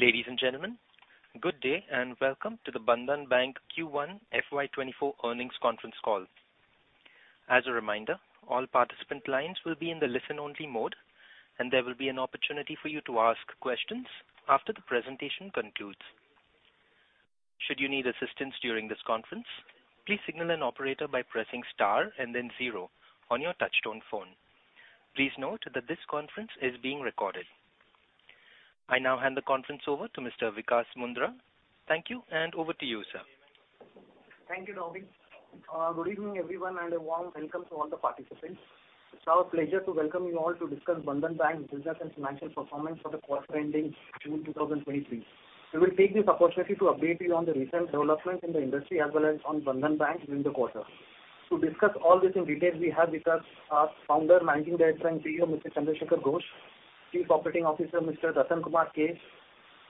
Ladies and gentlemen, good day, welcome to the Bandhan Bank Q1 FY24 earnings conference call. As a reminder, all participant lines will be in the listen-only mode, and there will be an opportunity for you to ask questions after the presentation concludes. Should you need assistance during this conference, please signal an operator by pressing star and then zero on your touchtone phone. Please note that this conference is being recorded. I now hand the conference over to Mr. Vikash Mundra. Thank you, over to you, sir. Thank you, Robin. Good evening, everyone, and a warm welcome to all the participants. It's our pleasure to welcome you all to discuss Bandhan Bank business and financial performance for the quarter ending June 2023. We will take this opportunity to update you on the recent developments in the industry as well as on Bandhan Bank during the quarter. To discuss all this in detail, we have with us our Founder, Managing Director and CEO, Mr. Chandra Shekhar Ghosh, Chief Operating Officer, Mr. Ratan Kumar Kesh,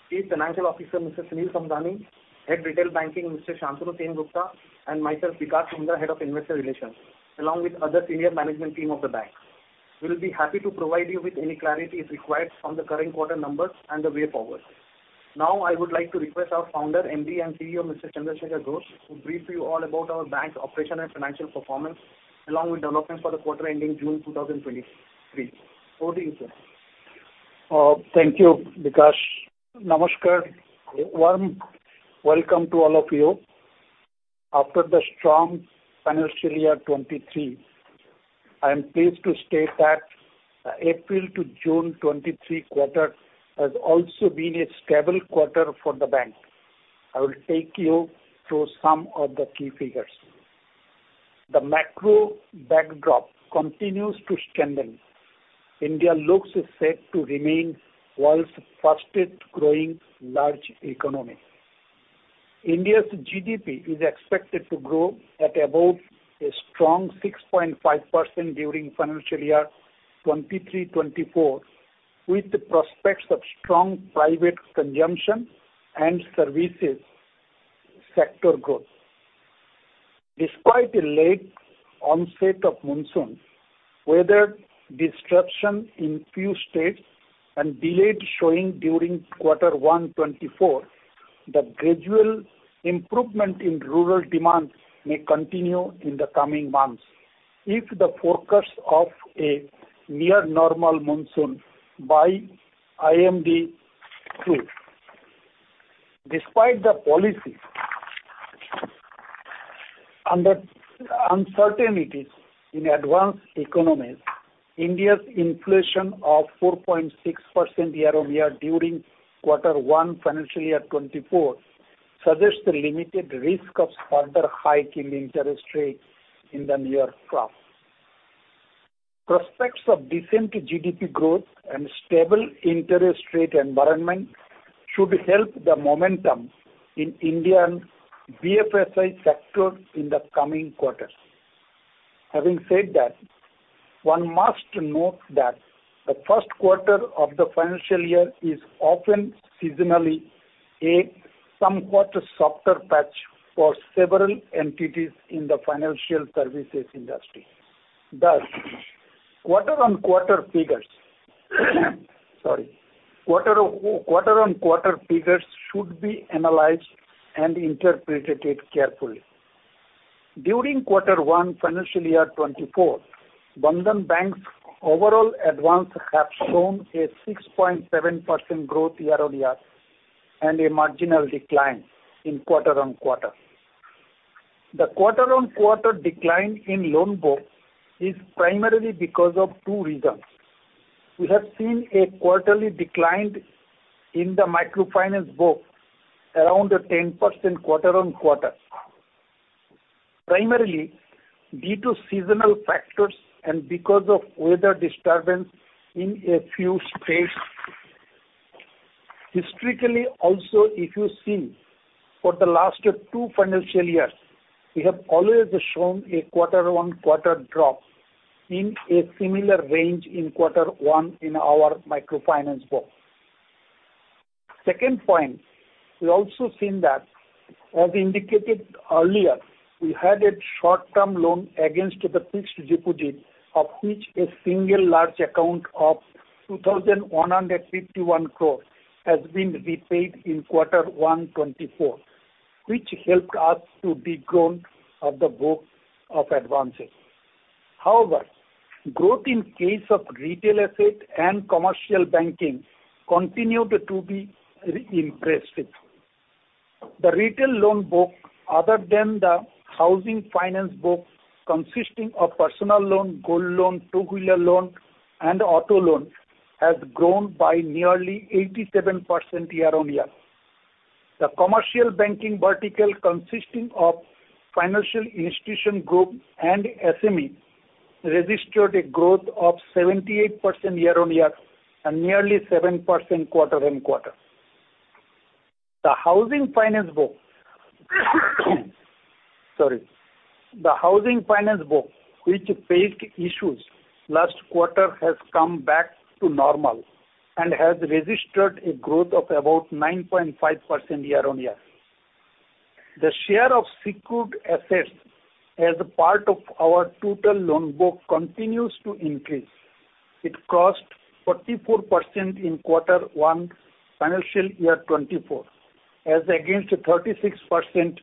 Chief Financial Officer, Mr. Sunil Samdani, Head, Retail Banking, Mr. Shantanu Sengupta, and myself, Vikash Mundra, Head of Investor Relations, along with other senior management team of the bank. We will be happy to provide you with any clarity if required on the current quarter numbers and the way forward. Now, I would like to request our founder, MD and CEO, Mr. Chandra Shekhar Ghosh, to brief you all about our bank's operation and financial performance, along with developments for the quarter ending June 2023. Over to you, sir. Thank you, Vikas. Namaskar. Warm welcome to all of you. After the strong financial year 2023, I am pleased to state that April to June 2023 quarter has also been a stable quarter for the bank. I will take you through some of the key figures. The macro backdrop continues to strengthen. India looks set to remain world's fastest-growing large economy. India's GDP is expected to grow at above a strong 6.5% during financial year 2023-2024, with the prospects of strong private consumption and services sector growth. Despite a late onset of monsoon, weather disruption in few states and delayed sowing during quarter 1, 2024, the gradual improvement in rural demand may continue in the coming months if the forecast of a near normal monsoon by IMD true. Despite the policy under uncertainties in advanced economies, India's inflation of 4.6% year-on-year during quarter 1, financial year 2024, suggests a limited risk of further hike in interest rates in the near term. Prospects of decent GDP growth and stable interest rate environment should help the momentum in Indian BFSI sector in the coming quarters. Having said that, one must note that the first quarter of the financial year is often seasonally a somewhat softer patch for several entities in the financial services industry. quarter-on-quarter figures, sorry, quarter-on-quarter figures should be analyzed and interpreted carefully. During quarter 1, financial year 2024, Bandhan Bank's overall advance have shown a 6.7% growth year-on-year and a marginal decline in quarter-on-quarter. The quarter-on-quarter decline in loan book is primarily because of two reasons. We have seen a quarterly decline in the microfinance book, around 10% quarter-on-quarter, primarily due to seasonal factors and because of weather disturbance in a few states. Historically, also, if you see, for the last 2 financial years, we have always shown a quarter-on-quarter drop in a similar range in quarter one in our microfinance book. Second point, we also seen that as indicated earlier, we had a short-term loan against the fixed deposit, of which a single large account of 2,151 crore has been repaid in quarter one 2024, which helped us to de-grow of the book of advances. However, growth in case of retail asset and commercial banking continued to be impressive. The retail loan book, other than the housing finance book, consisting of personal loan, gold loan, two-wheeler loan, and auto loan, has grown by nearly 87% year-on-year. The commercial banking vertical, consisting of financial institution group and SME, registered a growth of 78% year-on-year and nearly 7% quarter-on-quarter. The housing finance book, sorry. The housing finance book, which faced issues last quarter, has come back to normal and has registered a growth of about 9.5% year-on-year. The share of secured assets as a part of our total loan book continues to increase. It cost 44% in quarter one, financial year 2024, as against 36%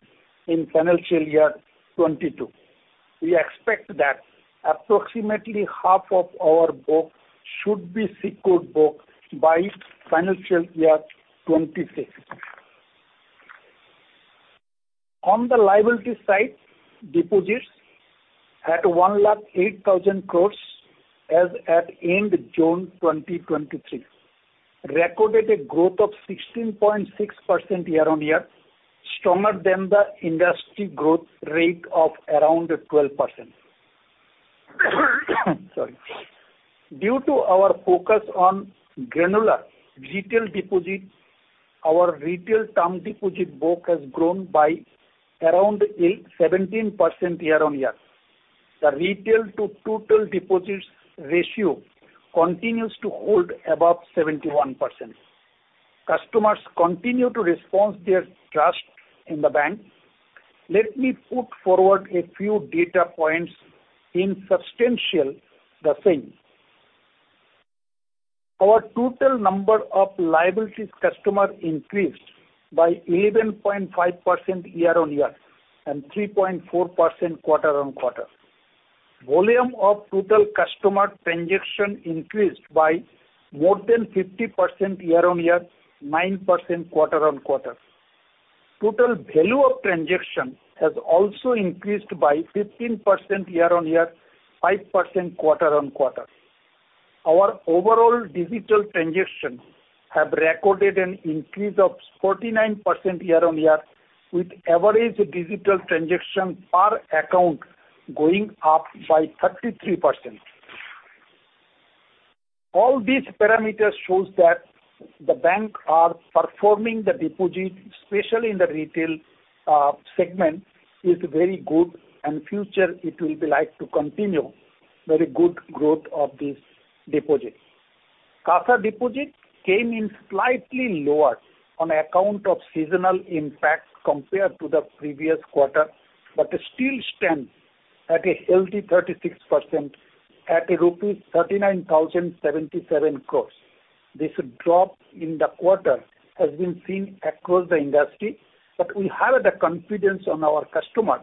in financial year 2022. We expect that approximately half of our book should be secured book by financial year 2026. On the liability side, deposits at 108,000 crore, as at end June 2023, recorded a growth of 16.6% year-on-year, stronger than the industry growth rate of around 12%. Sorry. Due to our focus on granular retail deposits, our retail term deposit book has grown by around 17% year-on-year. The retail to total deposits ratio continues to hold above 71%. Customers continue to response their trust in the bank. Let me put forward a few data points in substantial the same. Our total number of liabilities customer increased by 11.5% year-on-year, and 3.4% quarter-on-quarter. Volume of total customer transaction increased by more than 50% year-on-year, 9% quarter-on-quarter. Total value of transaction has also increased by 15% year-on-year, 5% quarter-on-quarter. Our overall digital transactions have recorded an increase of 49% year-on-year, with average digital transaction per account going up by 33%. All these parameters shows that the bank are performing the deposit, especially in the retail segment, is very good, and future it will be like to continue very good growth of this deposit. CASA deposits came in slightly lower on account of seasonal impacts compared to the previous quarter, but still stands at a healthy 36% at rupees 39,077 crore. This drop in the quarter has been seen across the industry, but we have the confidence on our customers,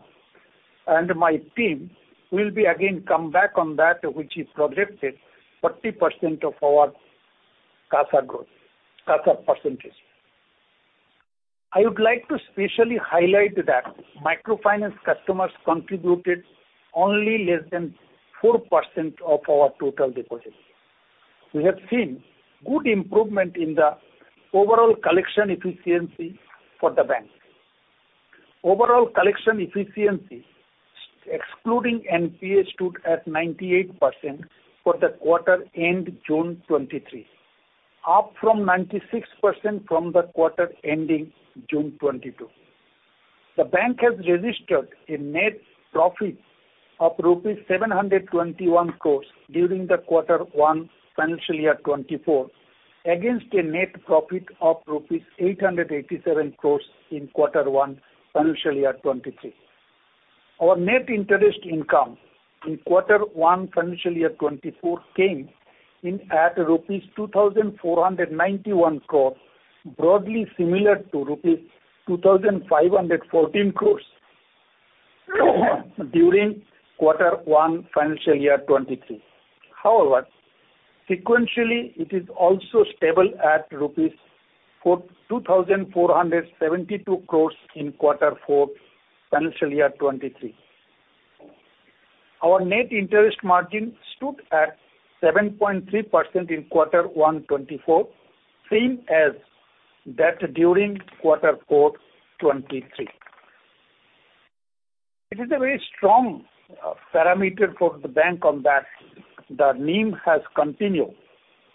and my team will be again come back on that which is projected 40% of our CASA growth, CASA percentage. I would like to specially highlight that microfinance customers contributed only less than 4% of our total deposits. We have seen good improvement in the overall collection efficiency for the bank. Overall collection efficiency, excluding NPA, stood at 98% for the quarter end June 2023, up from 96% from the quarter ending June 2022. The bank has registered a net profit of rupees 721 crore during the quarter one, financial year 2024, against a net profit of rupees 887 crore in quarter one, financial year 2023. Our net interest income in quarter one, financial year 2024, came in at rupees 2,491 crore, broadly similar to rupees 2,514 crore, during quarter one, financial year 2023. However, sequentially, it is also stable at rupees 2,472 crore in quarter four, financial year 2023. Our net interest margin stood at 7.3% in quarter 1 2024, same as that during quarter 4 2023. It is a very strong parameter for the bank on that. The NIM has continued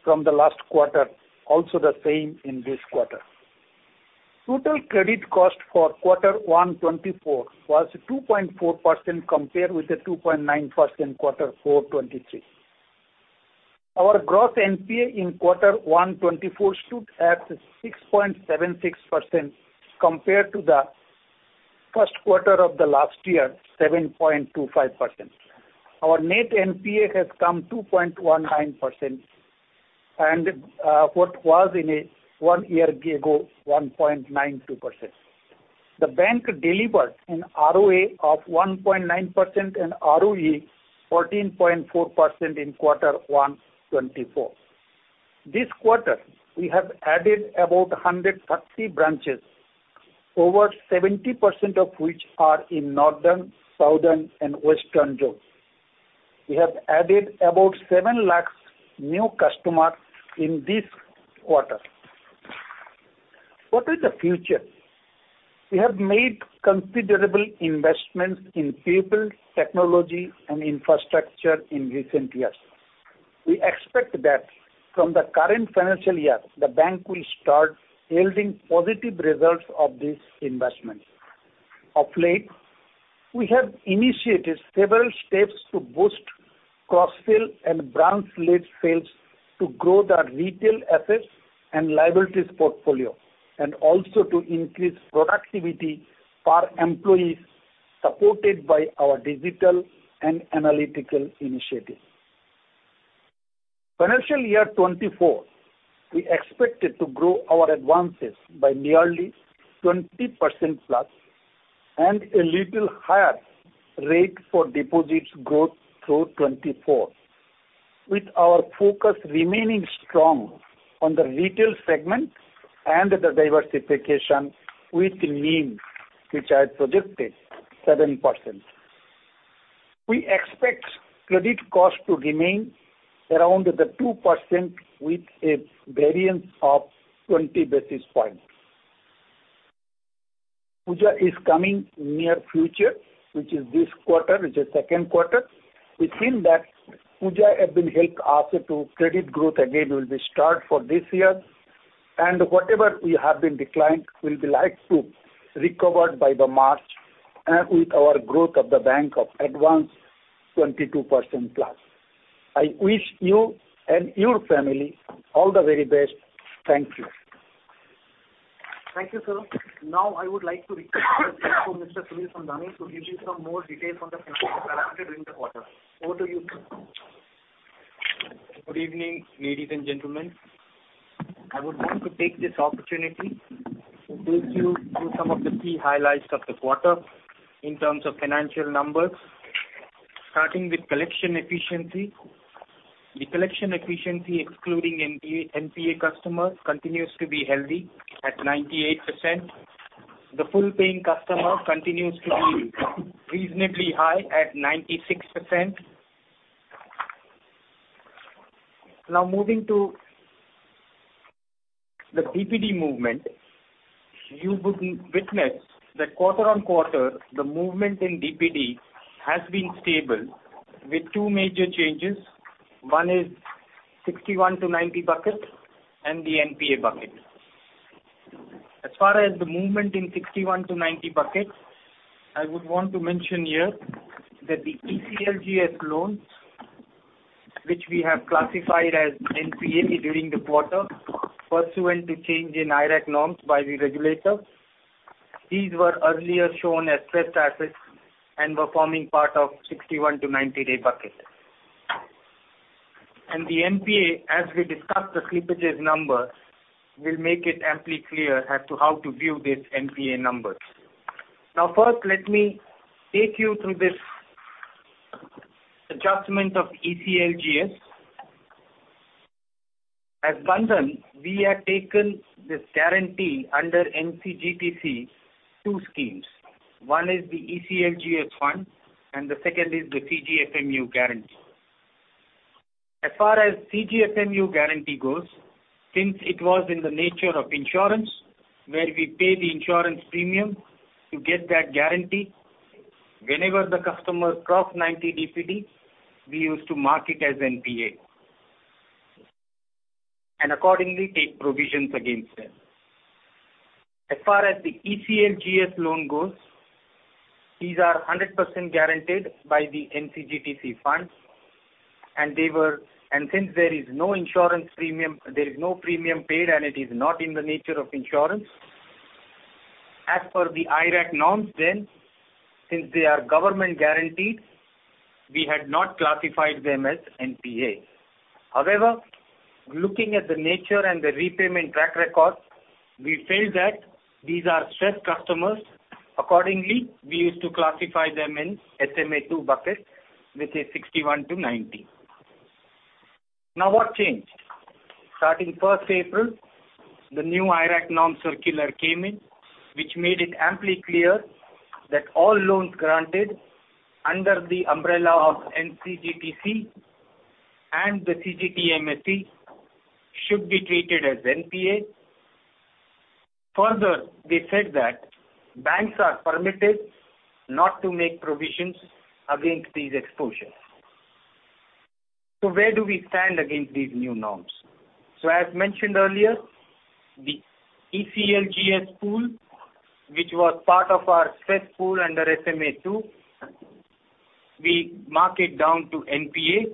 from the last quarter, also the same in this quarter. Total credit cost for quarter 1 2024 was 2.4%, compared with the 2.9% quarter 4 2023. Our gross NPA in quarter 1 2024 stood at 6.76%, compared to the first quarter of the last year, 7.25%. Our net NPA has come 2.19%, and what was in a 1 year ago, 1.92%. The bank delivered an ROA of 1.9% and ROE 14.4% in quarter 1 2024. This quarter, we have added about 130 branches, over 70% of which are in Northern, Southern, and Western zones. We have added about 0.7 million new customers in this quarter. What is the future? We have made considerable investments in people, technology, and infrastructure in recent years. We expect that from the current financial year, the bank will start yielding positive results of these investments. We have initiated several steps to boost cross-sell and branch-led sales to grow the retail assets and liabilities portfolio, and also to increase productivity per employees, supported by our digital and analytical initiatives. Financial year 2024, we expected to grow our advances by nearly 20%+, and a little higher rate for deposits growth through 2024, with our focus remaining strong on the retail segment and the diversification with NIM, which are projected 7%. We expect credit cost to remain around the 2%, with a variance of 20 basis points. Puja is coming near future, which is this quarter, which is second quarter. We think that Puja have been helped us to credit growth again will be start for this year. Whatever we have been declined, will be like to recover by the March, and with our growth of the bank of advance 22%+. I wish you and your family all the very best. Thank you. Thank you, sir. Now, I would like to request Mr. Sunil Samdani, to give you some more details on the financial parameter during the quarter. Over to you. Good evening, ladies and gentlemen. I would like to take this opportunity to take you through some of the key highlights of the quarter in terms of financial numbers. Starting with collection efficiency. The collection efficiency, excluding NPA customer, continues to be healthy at 98%. The full-paying customer continues to be reasonably high at 96%. Moving to the DPD movement, you would witness that quarter-on-quarter, the movement in DPD has been stable with two major changes. One is 61-90 bucket and the NPA bucket. As far as the movement in 61-90 bucket, I would want to mention here that the ECLGS loans, which we have classified as NPA during the quarter, pursuant to change in IRAC norms by the regulator, these were earlier shown as stressed assets and were forming part of 61-90-day bucket. The NPA, as we discuss the slippages number, will make it amply clear as to how to view this NPA numbers. First, let me take you through this adjustment of ECLGS. At Bandhan, we have taken this guarantee under NCGTC, two schemes. One is the ECLGS fund, and the second is the CGFMU guarantee. As far as CGFMU guarantee goes, since it was in the nature of insurance, where we pay the insurance premium to get that guarantee, whenever the customer cross 90 DPD, we used to mark it as NPA. Accordingly, take provisions against them. As far as the ECLGS loan goes, these are 100% guaranteed by the NCGTC funds, and since there is no insurance premium, there is no premium paid, and it is not in the nature of insurance. As per the IRAC norms, since they are government guaranteed, we had not classified them as NPA. However, looking at the nature and the repayment track record, we felt that these are stressed customers. Accordingly, we used to classify them in SMA-2 bucket, which is 61 to 90. What changed? Starting 1st April, the new IRAC Norm Circular came in, which made it amply clear that all loans granted under the umbrella of NCGTC and the CGTMSE should be treated as NPA. Further, they said that banks are permitted not to make provisions against these exposures. Where do we stand against these new norms? As mentioned earlier, the ECLGS pool, which was part of our stressed pool under SMA-2, we mark it down to NPA.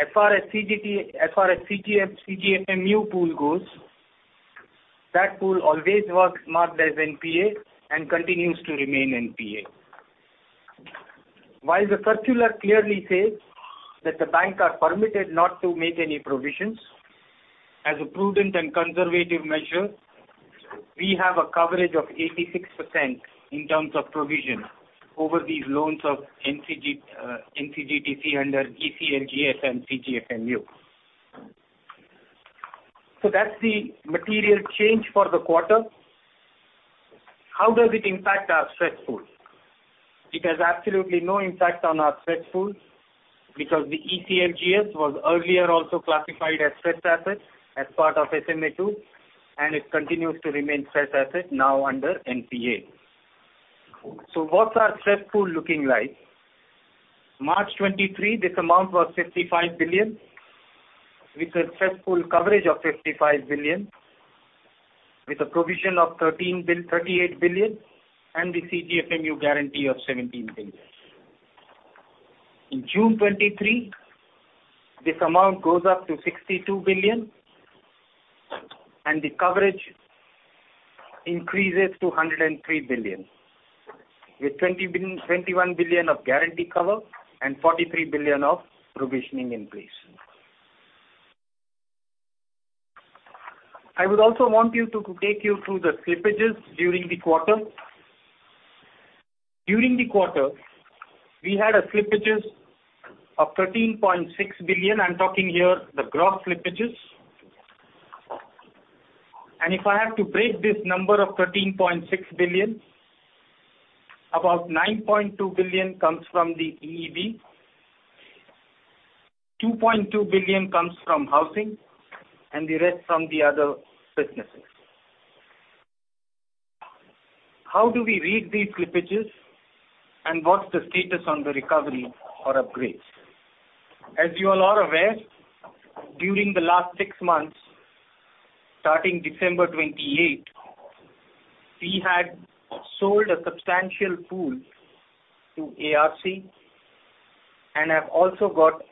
As far as CGFMU pool goes, that pool always was marked as NPA and continues to remain NPA. While the circular clearly says that the bank are permitted not to make any provisions, as a prudent and conservative measure, we have a coverage of 86% in terms of provision over these loans of NCGTC under ECLGS and CGFMU. That's the material change for the quarter. How does it impact our stressed pool? It has absolutely no impact on our stressed pool, because the ECLGS was earlier also classified as stressed assets as part of SMA-2, and it continues to remain stressed asset now under NPA. What's our stressed pool looking like? March 2023, this amount was 55 billion, with a successful coverage of 55 billion, with a provision of 38 billion, and the CGFMU guarantee of 17 billion. In June 2023, this amount goes up to 62 billion. The coverage increases to 103 billion, with 21 billion of guarantee cover and 43 billion of provisioning in place. I would also want you to take you through the slippages during the quarter. During the quarter, we had a slippages of 13.6 billion. I'm talking here the gross slippages. If I have to break this number of 13.6 billion, about 9.2 billion comes from the EEB, 2.2 billion comes from housing, the rest from the other businesses. How do we read these slippages, what's the status on the recovery or upgrades? As you all are aware, during the last six months, starting December 28, we had sold a substantial pool to ARC and have also got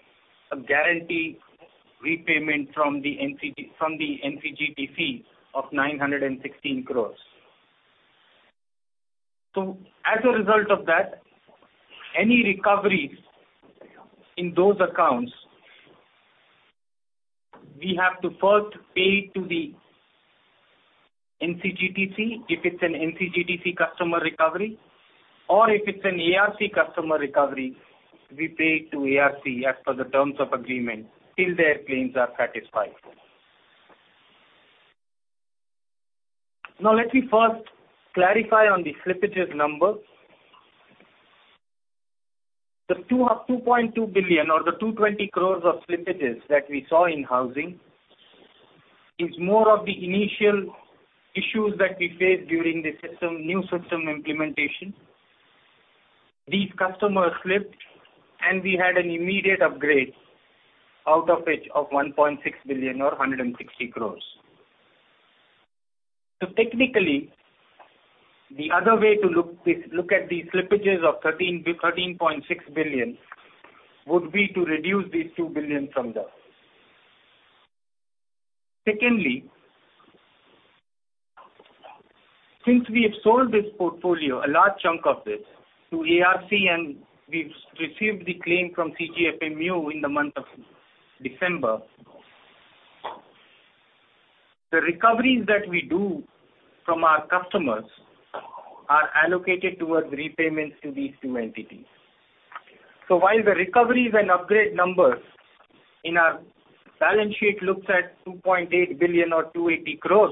a guarantee repayment from the NCGTC of INR 916 crore. As a result of that, any recoveries in those accounts, we have to first pay to the NCGTC, if it's an NCGTC customer recovery, or if it's an ARC customer recovery, we pay it to ARC as per the terms of agreement, till their claims are satisfied. Let me first clarify on the slippages number. The INR 2 billion or 2.2 billion, or the 220 crore of slippages that we saw in housing, is more of the initial issues that we faced during the system, new system implementation. These customers slipped, we had an immediate upgrade, out of which of 1.6 billion or 160 crore. Technically, the other way to look at these slippages of 13.6 billion, would be to reduce these 2 billion from that. Secondly, since we have sold this portfolio, a large chunk of this, to ARC and we've received the claim from CGFMU in the month of December, the recoveries that we do from our customers are allocated towards repayments to these two entities. While the recoveries and upgrade numbers in our balance sheet looks at 2.8 billion or 280 crore,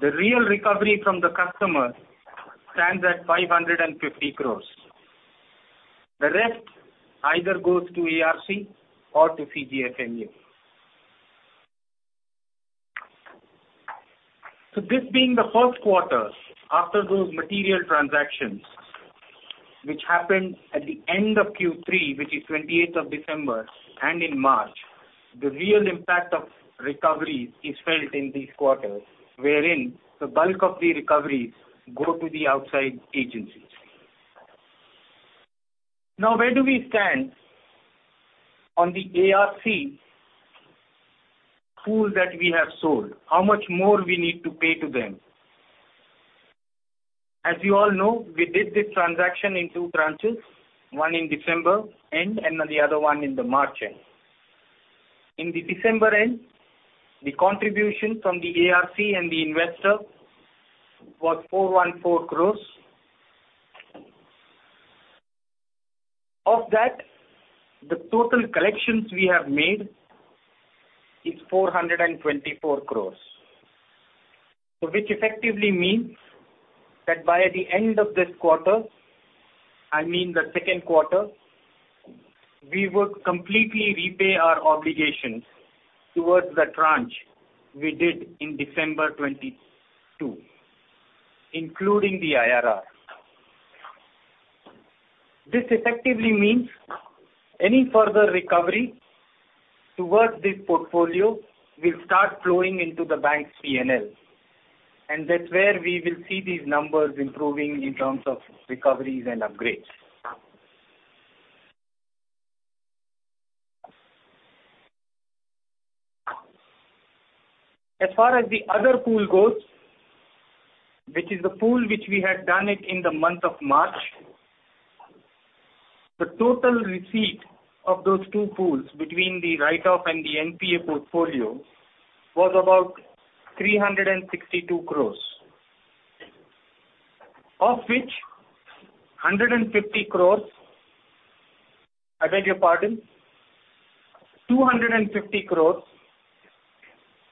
the real recovery from the customer stands at 550 crore. The rest either goes to ARC or to CGFMU. This being the first quarter after those material transactions, which happened at the end of Q3, which is 28th of December and in March, the real impact of recoveries is felt in this quarter, wherein the bulk of the recoveries go to the outside agencies. Now, where do we stand on the ARC pool that we have sold? How much more we need to pay to them? As you all know, we did this transaction in two tranches, one in December end and then the other one in the March end. In the December end, the contribution from the ARC and the investor was INR 414 crore. Of that, the total collections we have made is 424 crore. Which effectively means that by the end of this quarter, I mean the second quarter, we would completely repay our obligations towards the tranche we did in December 2022, including the IRR. This effectively means any further recovery towards this portfolio will start flowing into the bank's P&L, and that's where we will see these numbers improving in terms of recoveries and upgrades. As far as the other pool goes, which is the pool which we had done it in the month of March, the total receipt of those two pools between the write-off and the NPA portfolio was about 362 crore. Of which, 150 crore. I beg your pardon, 250 crore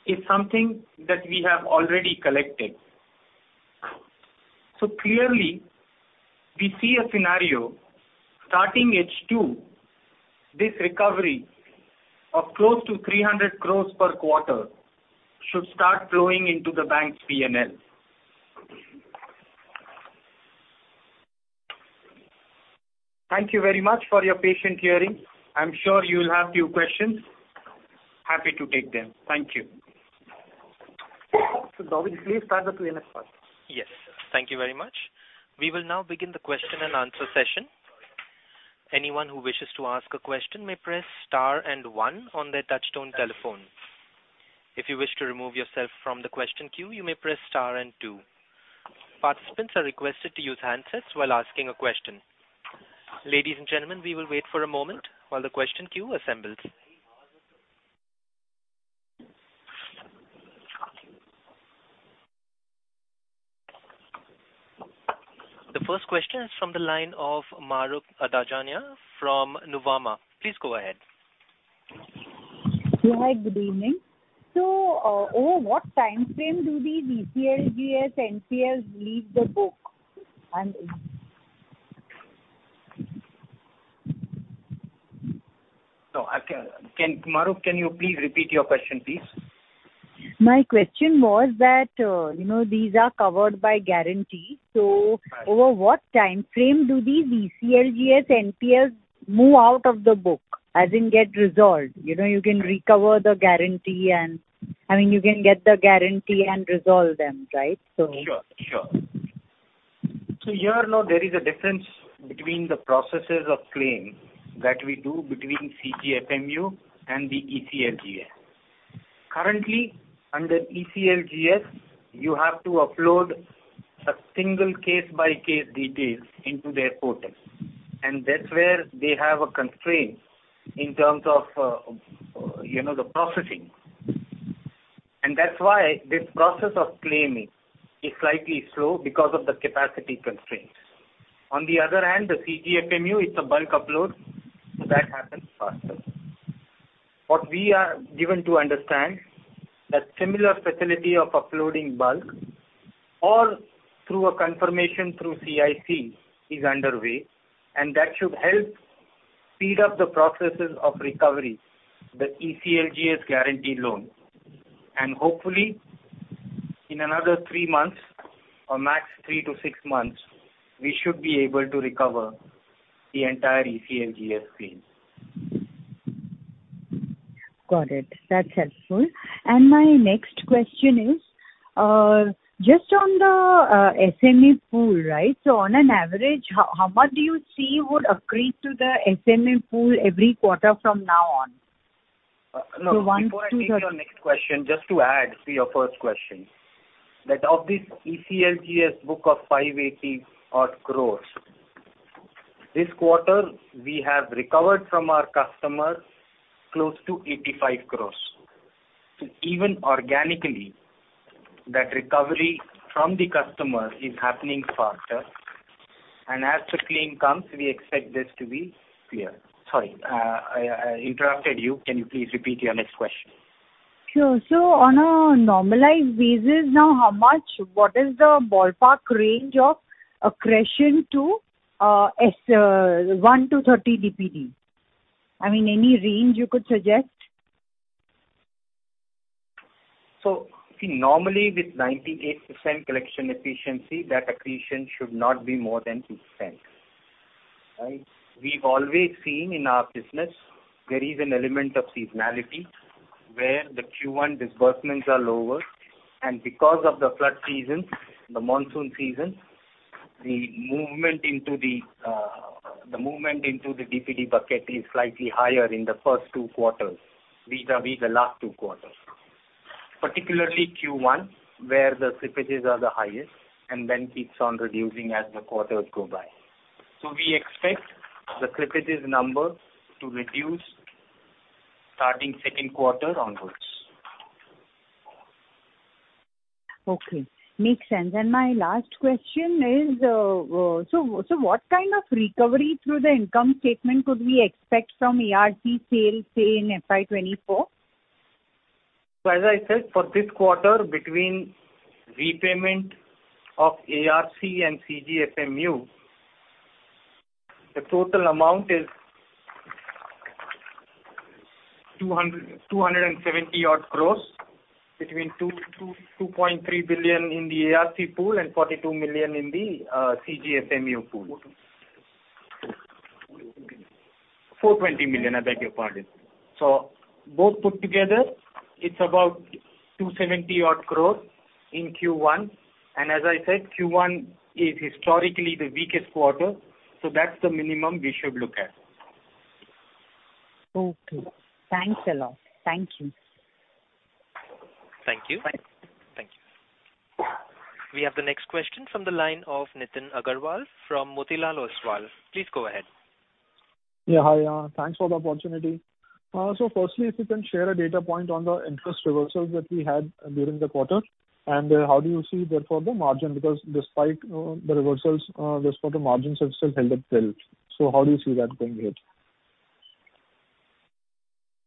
is something that we have already collected. Clearly, we see a scenario, starting H2, this recovery of close to 300 crore per quarter, should start flowing into the bank's P&L. Thank you very much for your patient hearing. I'm sure you'll have few questions. Happy to take them. Thank you. David, please start the Q&A part. Yes, thank you very much. We will now begin the question and answer session. Anyone who wishes to ask a question may press star 1 on their touchtone telephone. If you wish to remove yourself from the question queue, you may press star 2. Participants are requested to use handsets while asking a question. Ladies and gentlemen, we will wait for a moment while the question queue assembles. The first question is from the line of Mahrukh Adajania from Nuvama. Please go ahead. Hi, good evening. Over what time frame do the ECLGS NPLs leave the book and. No, Can, Mahrukh, can you please repeat your question, please? My question was that, you know, these are covered by guarantee. Right. Over what time frame do these ECLGS NPLs move out of the book, as in get resolved? You know, you can recover the guarantee and, I mean, you can get the guarantee and resolve them, right? So. Sure, sure. Here now, there is a difference between the processes of claim that we do between CGFMU and the ECLGS. Currently, under ECLGS, you have to upload a single case-by-case details into their portal, and that's where they have a constraint in terms of, you know, the processing. That's why this process of claiming is slightly slow because of the capacity constraints. On the other hand, the CGFMU, it's a bulk upload, so that happens faster. What we are given to understand, that similar facility of uploading bulk or through a confirmation through CIC is underway, and that should help speed up the processes of recovery, the ECLGS guarantee loan. Hopefully, in another 3 months or max 3-6 months, we should be able to recover the entire ECLGS claim. Got it. That's helpful. My next question is, just on the SME pool, right? On an average, how much do you see would accrete to the SME pool every quarter from now on? Before I take your next question, just to add to your first question, that of this ECLGS book of 580 odd crore, this quarter, we have recovered from our customers close to 85 crore. Even organically, that recovery from the customer is happening faster, and as the claim comes, we expect this to be clear. Sorry, I interrupted you. Can you please repeat your next question? Sure. On a normalized basis now, how much... What is the ballpark range of accretion to 1-30 DPD? I mean, any range you could suggest? See, normally with 98% collection efficiency, that accretion should not be more than 2%, right? We've always seen in our business there is an element of seasonality, where the Q1 disbursements are lower, because of the flood season, the monsoon season, the movement into the DPD bucket is slightly higher in the first two quarters, vis-a-vis the last two quarters. Particularly Q1, where the slippages are the highest and then keeps on reducing as the quarters go by. We expect the slippages number to reduce starting second quarter onwards. Okay, makes sense. My last question is, so what kind of recovery through the income statement could we expect from ARC sale, say, in FY24? As I said, for this quarter, between repayment of ARC and CGFMU, the total amount is 270 odd crore, between 2 billion to 2.3 billion in the ARC pool and 42 million in the CGFMU pool. 420 million, I beg your pardon. Both put together, it's about 270 odd crore in Q1, and as I said, Q1 is historically the weakest quarter, so that's the minimum we should look at. Okay, thanks a lot. Thank you. Thank you. Bye. Thank you. We have the next question from the line of Nitin Aggarwal from Motilal Oswal. Please go ahead. Yeah, hi, thanks for the opportunity. Firstly, if you can share a data point on the interest reversals that we had during the quarter, and how do you see therefore the margin? Because despite the reversals, this quarter margins have still held up well. How do you see that going ahead?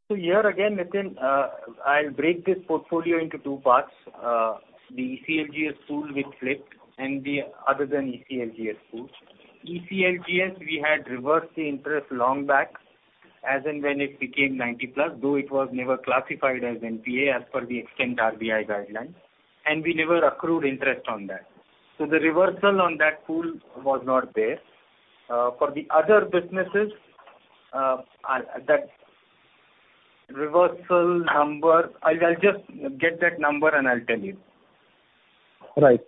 Here again, Nitin, I'll break this portfolio into two parts. The ECLGS pool with flipped and the other than ECLGS pool. ECLGS, we had reversed the interest long back-... as and when it became 90 plus, though it was never classified as NPA as per the extent RBI guidelines, and we never accrued interest on that. The reversal on that pool was not there. For the other businesses, that reversal number, I'll just get that number and I'll tell you. Right.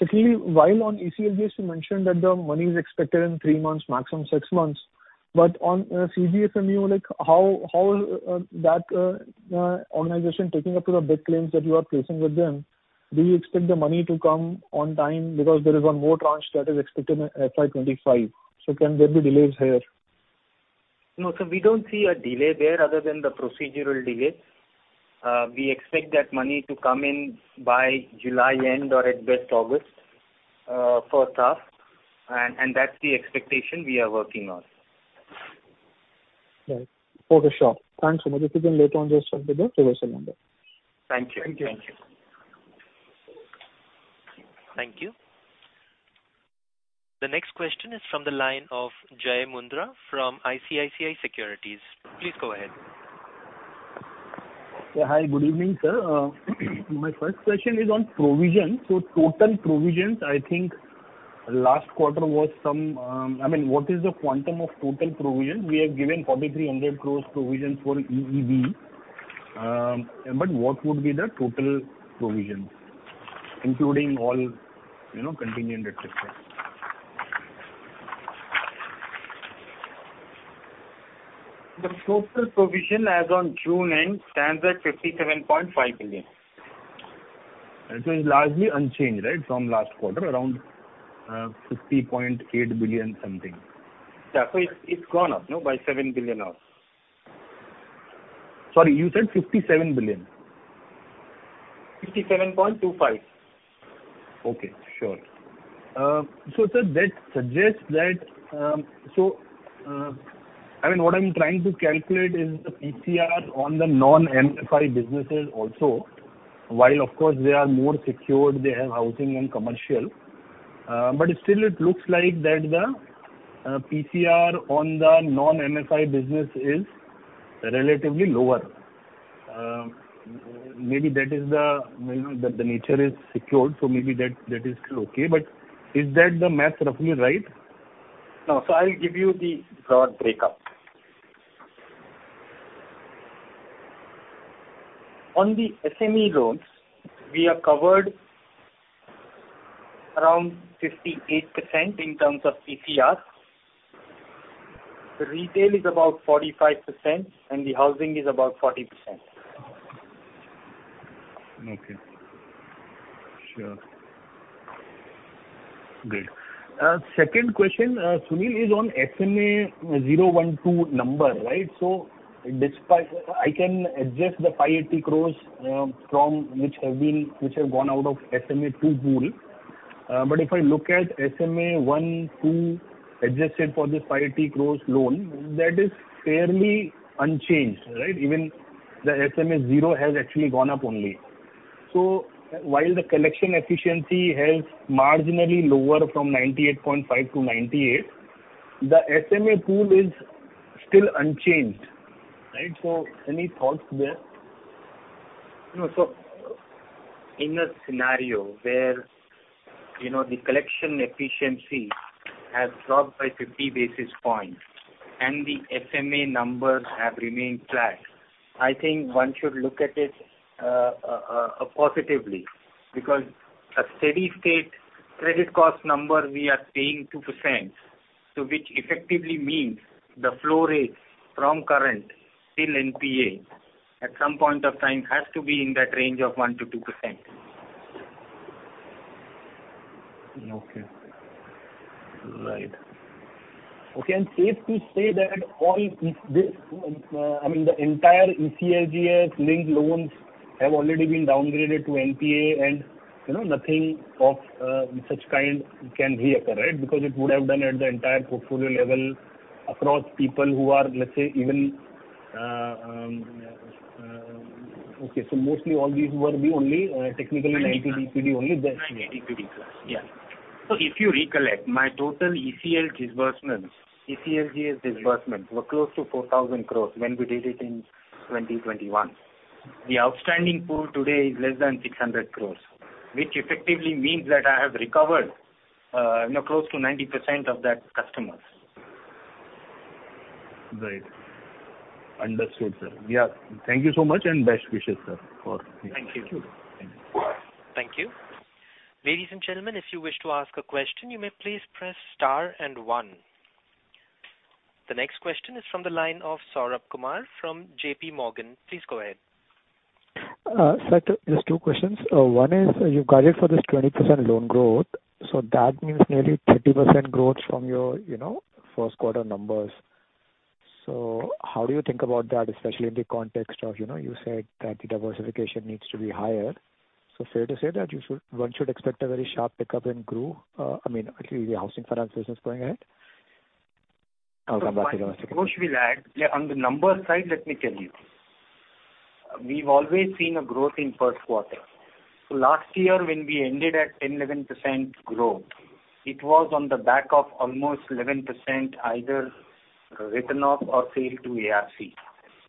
Secondly, while on ECLGS, you mentioned that the money is expected in 3 months, maximum 6 months, but on CGFMU, how that organization taking up to the big claims that you are placing with them, do you expect the money to come on time? Because there is one more tranche that is expected in FY25. Can there be delays here? No, we don't see a delay there other than the procedural delays. We expect that money to come in by July end or at best August for TAF, and that's the expectation we are working on. Right. Okay, sure. Thanks so much. If you can later on just share with the reversal number. Thank you. Thank you. Thank you. Thank you. The next question is from the line of Jai Mundhra from ICICI Securities. Please go ahead. Yeah. Hi, good evening, sir. My first question is on provision. Total provisions, I think last quarter was some. I mean, what is the quantum of total provision? We have given 4,300 crore provision for EEB. What would be the total provision, including all, you know, contingent, et cetera? The total provision as on June end stands at 57.5 billion. It is largely unchanged, right, from last quarter, around, 50.8 billion something. Yeah. It's gone up, no, by 7 billion now. Sorry, you said 57 billion? 57.25. Okay. Sure. Sir, that suggests that, I mean, what I'm trying to calculate is the PCR on the non-MFI businesses also, while of course they are more secured, they have housing and commercial. Still it looks like that the PCR on the non-MFI business is relatively lower. Maybe that is the, you know, the nature is secured, so maybe that is still okay. Is that the math roughly right? No. I'll give you the broad breakup. On the SME loans, we are covered around 58% in terms of PCR. The retail is about 45%, and the housing is about 40%. Okay. Sure. Great. Second question, Sunil, is on SMA zero one two number, right? Despite I can adjust the 580 crore from which have gone out of SMA 2 pool. If I look at SMA 1, 2, adjusted for this 580 crore loan, that is fairly unchanged, right? Even the SMA 0 has actually gone up only. While the collection efficiency has marginally lower from 98.5% to 98%, the SMA pool is still unchanged, right? Any thoughts there? No. In a scenario where, you know, the collection efficiency has dropped by 50 basis points and the SMA numbers have remained flat, I think one should look at it positively, because a steady state credit cost number, we are paying 2%, so which effectively means the flow rate from current till NPA at some point of time has to be in that range of 1%-2%. Okay. Right. Okay, safe to say that all this, I mean, the entire ECLGS linked loans have already been downgraded to NPA and, you know, nothing of such kind can reoccur, right? Because it would have done at the entire portfolio level across people who are, let's say, even. Okay, so mostly all these were the only, technically 90 DPD, only that. 90 DPD, yeah. If you recollect, my total ECL disbursements, ECLGS disbursements were close to 4,000 crore when we did it in 2021. The outstanding pool today is less than 600 crore, which effectively means that I have recovered, you know, close to 90% of that customers. Right. Understood, sir. Yeah. Thank you so much, and best wishes, sir. Thank you. Thank you. Thank you. Ladies and gentlemen, if you wish to ask a question, you may please press star and one. The next question is from the line of Saurabh Kumar from JP Morgan. Please go ahead. Sir, just two questions. One is, you've guided for this 20% loan growth, that means nearly 30% growth from your, you know, first quarter numbers. How do you think about that, especially in the context of, you know, you said that the diversification needs to be higher? Fair to say that one should expect a very sharp pickup in growth, I mean, at least the housing finance business going ahead? I'll come back to diversification. Growth will add. Yeah, on the number side, let me tell you. We've always seen a growth in first quarter. Last year, when we ended at 10%, 11% growth, it was on the back of almost 11% either written off or failed to ARC.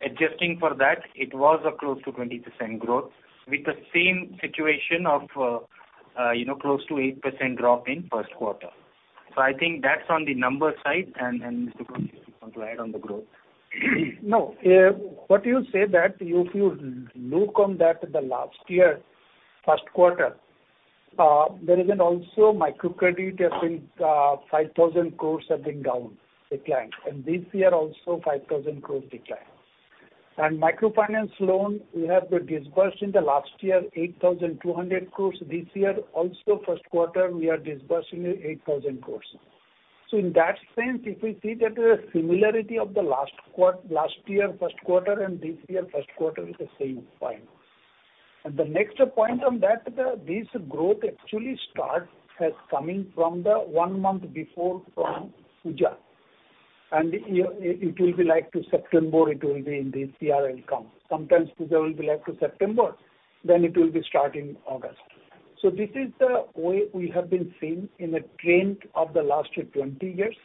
Adjusting for that, it was a close to 20% growth with the same situation of, you know, close to 8% drop in first quarter. I think that's on the number side, and Mr. Ghosh, if you want to add on the growth. No, what you say that if you look on that the last year, first quarter, there is an also microcredit, I think, 5,000 crore have been down, declined, this year also 5,000 crore declined. Microfinance loan, we have been disbursed in the last year, 8,200 crore. This year, also first quarter, we are disbursing 8,000 crore. In that sense, if we see that the similarity of the last year, first quarter, and this year, first quarter is the same, fine. The next point on that, this growth actually starts as coming from the 1 month before from Puja, and year, it will be like to September, it will be in this year it will come. Sometimes Puja will be like to September, it will be start in August. This is the way we have been seeing in a trend of the last 20 years.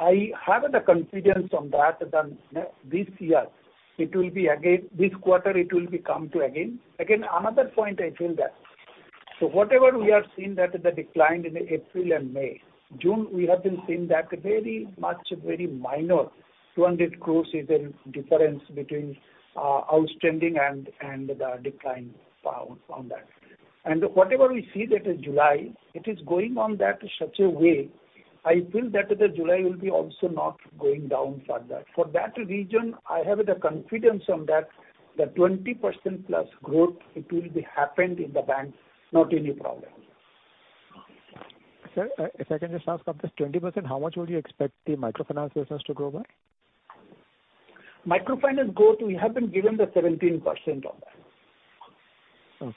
I have the confidence on that, than this year, it will be again, this quarter, it will be come to again. Another point I feel that. Whatever we have seen that the decline in April and May, June, we have been seeing that very much, very minor, 200 crore is the difference between outstanding and the decline file on that. Whatever we see that in July, it is going on that such a way, I feel that the July will be also not going down further. For that reason, I have the confidence on that, the 20% plus growth, it will be happened in the bank, not any problem. Sir, if I can just ask of this 20%, how much would you expect the microfinance business to grow by? Microfinance growth, we have been given the 17% on that. Okay,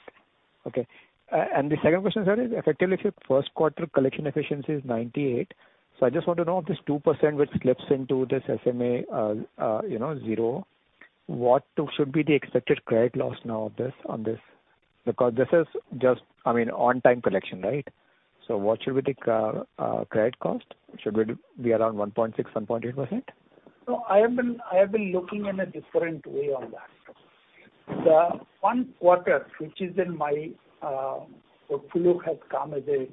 okay. The second question, sir, is effectively, if your first quarter collection efficiency is 98, I just want to know if this 2% which slips into this SMA, you know, zero, what should be the expected credit loss now of this, on this? Because this is just, I mean, on time collection, right? What should be the credit cost? Should it be around 1.6%-1.8%? No, I have been looking in a different way on that. The one quarter, which is in my portfolio, has come as a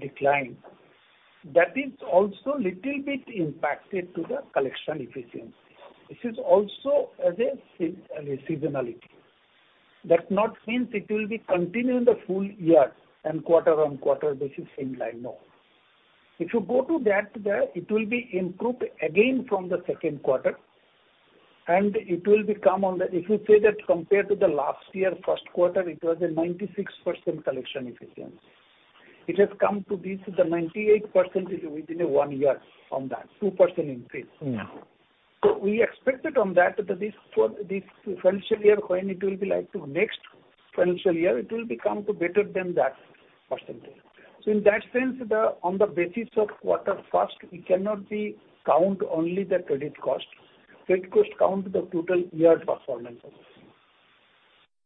decline. That is also little bit impacted to the collection efficiency. This is also as a seasonality. That not means it will be continuing the full year and quarter on quarter, this is in line. No. If you go to that, it will be improved again from the second quarter, and it will become on the. If you say that compared to the last year, first quarter, it was a 96% collection efficiency. It has come to this, the 98% is within one year on that, 2% increase. Mm. We expected on that, this financial year, when it will be like to next financial year, it will be come to better than that %. In that sense, on the basis of quarter first, we cannot be count only the credit cost. Credit cost count the total year performance of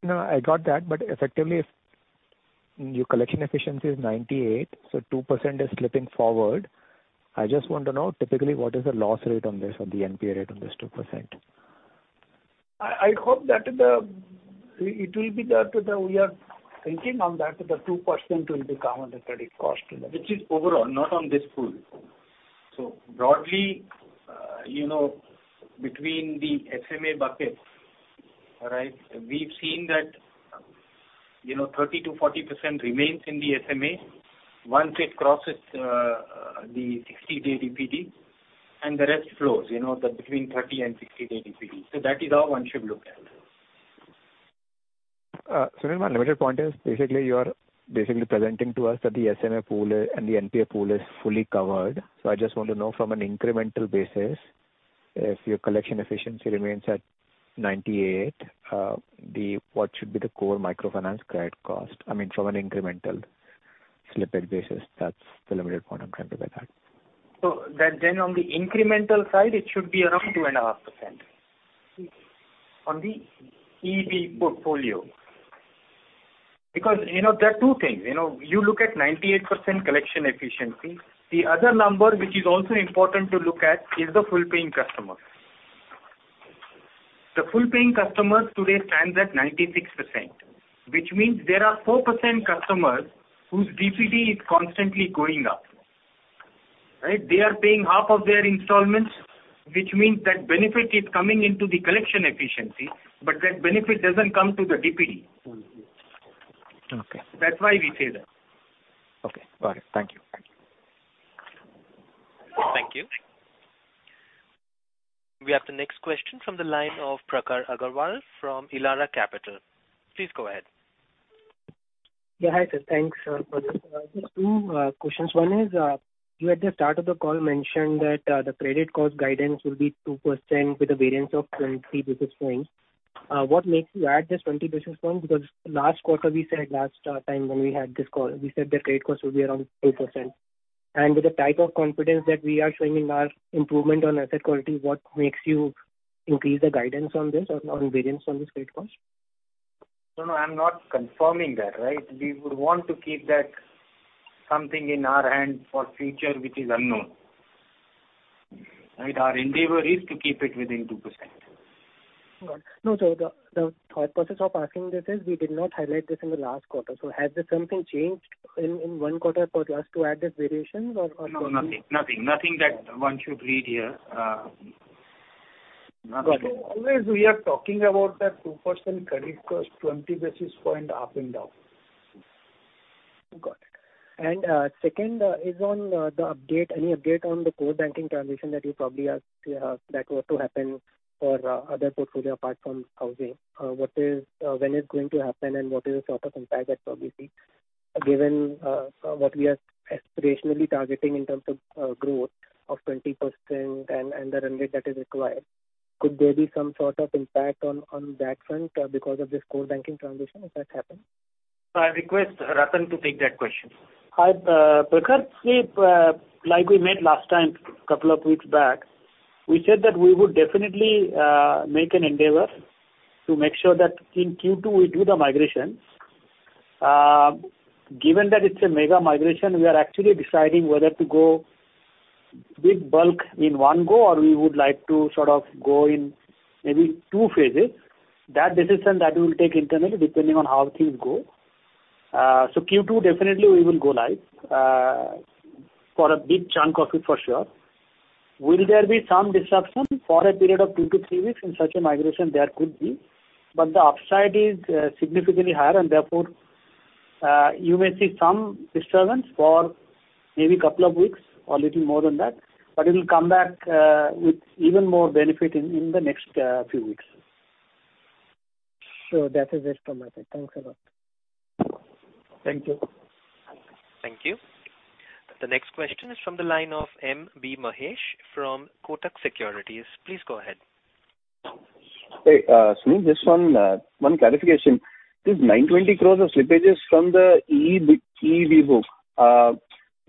it. I got that, effectively, if your collection efficiency is 98%, 2% is slipping forward. I just want to know, typically, what is the loss rate on this or the NPA rate on this 2%? I hope we are thinking on that, the 2% will be come on the credit cost, which is overall, not on this pool. Broadly, you know, between the SMA buckets, all right, we've seen that, you know, 30%-40% remains in the SMA. Once it crosses, the 60-day DPD, and the rest flows, you know, between 30 and 60-day DPD. That is how one should look at it. My limited point is, basically, you are basically presenting to us that the SMA pool and the NPA pool is fully covered. I just want to know from an incremental basis, if your collection efficiency remains at 98%, what should be the core microfinance credit cost? I mean, from an incremental slippage basis, that's the limited point I'm trying to get at. Then on the incremental side, it should be around 2.5%. On the EB portfolio. Because, you know, there are two things, you know, you look at 98% collection efficiency. The other number, which is also important to look at, is the full-paying customers. The full-paying customers today stands at 96%, which means there are 4% customers whose DPD is constantly going up, right? They are paying half of their installments, which means that benefit is coming into the collection efficiency, but that benefit doesn't come to the DPD. Okay. That's why we say that. Okay, got it. Thank you. Thank you. We have the next question from the line of Prakhar Agarwal from Elara Capital. Please go ahead. Yeah, hi, sir. Thanks, sir, for this. Just two questions. One is, you at the start of the call mentioned that the credit cost guidance will be 2% with a variance of 20 basis points. What makes you add this 20 basis points? Because last quarter, we said last time when we had this call, we said the credit cost will be around 2%. With the type of confidence that we are showing in our improvement on asset quality, what makes you increase the guidance on this, on variance on this credit cost? No, no, I'm not confirming that, right? We would want to keep that something in our hand for future, which is unknown. Right. Our endeavor is to keep it within 2%. Got it. No, the thought process of asking this is, we did not highlight this in the last quarter, has the something changed in one quarter for us to add this variations or? No, nothing. Nothing, nothing that one should read here, nothing. Always, we are talking about that 2% credit cost, 20 basis point up and down. Got it. Second is on the update. Any update on the core banking transition that you probably are that were to happen for other portfolio apart from housing? What is when it's going to happen and what is the sort of impact that probably see? Given what we are aspirationally targeting in terms of growth of 20% and the runway that is required, could there be some sort of impact on that front because of this core banking transition, if that happened? I request Ratan to take that question. I, Prakash, we, like we met last time, couple of weeks back, we said that we would definitely make an endeavor to make sure that in Q2 we do the migration. Given that it's a mega migration, we are actually deciding whether to go big bulk in one go, or we would like to sort of go in maybe two phases. That decision, that we'll take internally, depending on how things go. Q2, definitely we will go live for a big chunk of it, for sure. Will there be some disruption for a period of 2-3 weeks? In such a migration, there could be. The upside is significantly higher. Therefore, you may see some disturbance for maybe 2 weeks or little more than that. It will come back with even more benefit in the next few weeks. That is it from my side. Thanks a lot. Thank you. Thank you. The next question is from the line of M. B. Mahesh from Kotak Securities. Please go ahead. Hey, Sunil, just one clarification. This 920 crore of slippages from the EE book,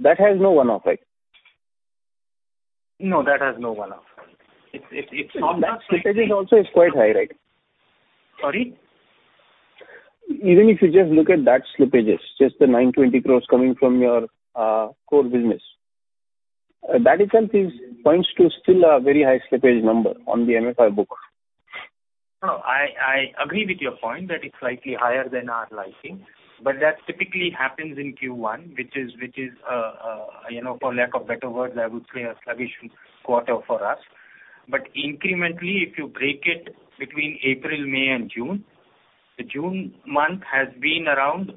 that has no one-off, right? No, that has no one-off. It's not. That slippage is also quite high, right? Sorry? Even if you just look at that slippages, just the 920 crore coming from your core business, that itself is points to still a very high slippage number on the non-EEB book. No, I agree with your point that it's slightly higher than our liking, but that typically happens in Q1, which is, you know, for lack of better words, I would say a sluggish quarter for us. Incrementally, if you break it between April, May and June, the June month has been around,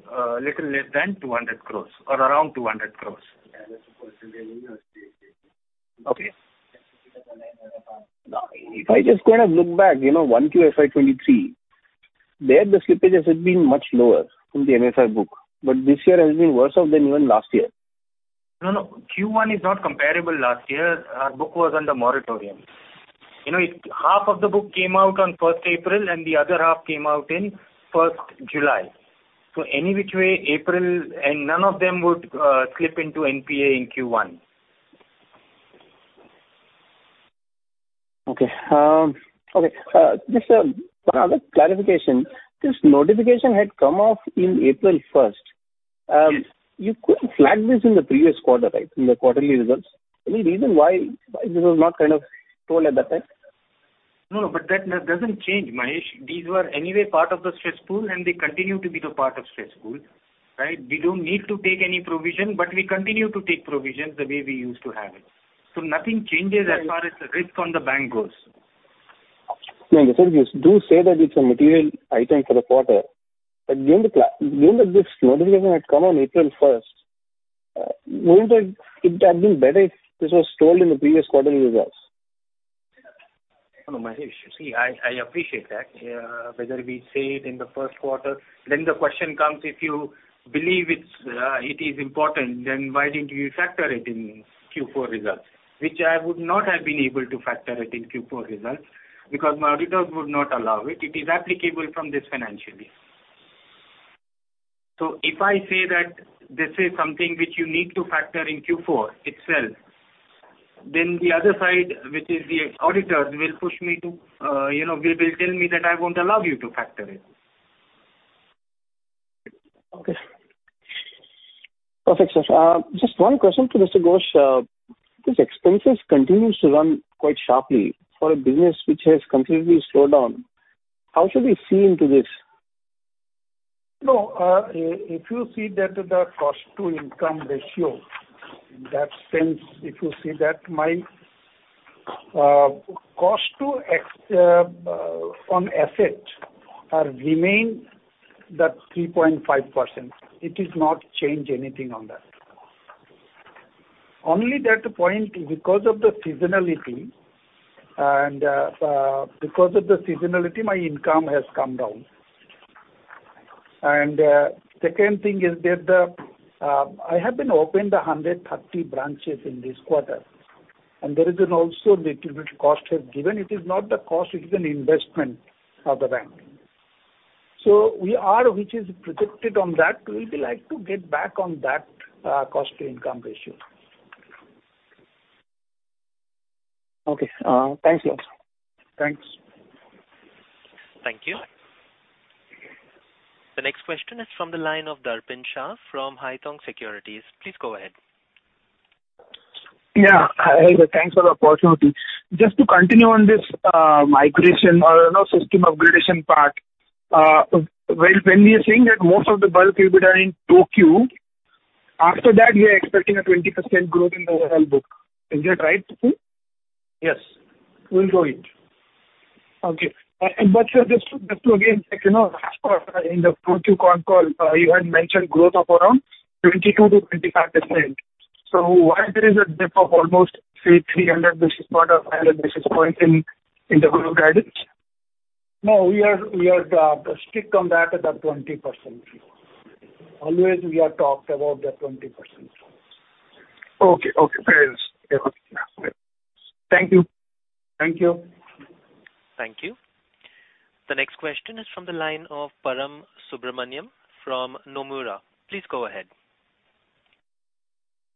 little less than 200 crore or around 200 crore. Okay. Now- If I just kind of look back, you know, Q1 FY23, there the slippages had been much lower in the non-EEB book. This year has been worse off than even last year. No, no. Q1 is not comparable to last year. Our book was under moratorium. You know, it, half of the book came out on 1st April, and the other half came out in 1st July. Any which way, April, none of them would slip into NPA in Q1. Okay. Okay, just one other clarification. This notification had come off in April 1st. Yes. you could flag this in the previous quarter, right? In the quarterly results. Any reason why this was not kind of told at that time? That doesn't change, Mahesh. These were anyway part of the stress pool, and they continue to be the part of stress pool, right? We don't need to take any provision, but we continue to take provisions the way we used to have it. Nothing changes as far as the risk on the bank goes. You do say that it's a material item for the quarter, but given that this notification had come on April 1st, wouldn't it have been better if this was told in the previous quarter results? No, Mahesh, you see, I appreciate that. Whether we say it in the first quarter, then the question comes, if you believe it's important, then why didn't you factor it in Q4 results? Which I would not have been able to factor it in Q4 results, because my auditors would not allow it. It is applicable from this financially. If I say that this is something which you need to factor in Q4 itself, then the other side, which is the auditors, will push me to, you know, will tell me that I won't allow you to factor it. Okay. Perfect, sir. Just one question to Mr. Ghosh. These expenses continues to run quite sharply for a business which has completely slowed down. How should we see into this? No, if you see that the cost to income ratio, in that sense, if you see that, my cost to on asset remain the 3.5%. It is not change anything on that. Only that point, because of the seasonality and, because of the seasonality, my income has come down. Second thing is that I have been opened 130 branches in this quarter, and there is an also little bit cost has given. It is not the cost, it is an investment of the bank. We are, which is projected on that, we will be like to get back on that, cost-to-income ratio. Okay. Thank you. Thanks. Thank you. The next question is from the line of Darpan Shah from Haitong Securities. Please go ahead. Yeah. Hi, thanks for the opportunity. Just to continue on this, migration or, you know, system upgradation part, well, when we are saying that most of the bulk will be done in 2Q, after that, we are expecting a 20% growth in the overall book. Is that right? Yes. We'll grow it. Okay. Sir, just to again, like, you know, as per in the Q2 con call, you had mentioned growth of around 22%-25%. Why there is a dip of almost, say, 300 basis points or 500 basis points in the growth guidance? No, we are strict on that at the 20%. Always, we have talked about the 20%. Okay. Okay, fair enough. Thank you. Thank you. Thank you. The next question is from the line of Param Subramanian from Nomura. Please go ahead.